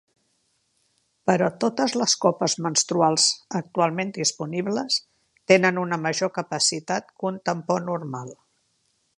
Però, totes les copes menstruals actualment disponibles tenen una major capacitat que un tampó normal.